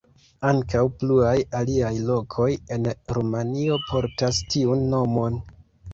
Ankaŭ pluaj aliaj lokoj en Rumanio portas tiun nomon.